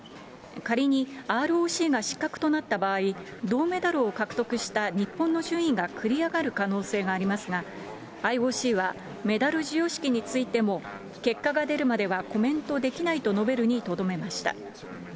仮にＲＯＣが失格となった場合、銅メダルを獲得した日本の順位が繰り上がる可能性がありますが、ＩＯＣは、メダル授与式についても、結果が出るまではコメントできないと述べるにとどめました。